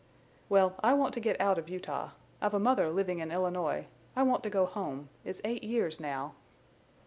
"Well, I want to get out of Utah. I've a mother living in Illinois. I want to go home. It's eight years now."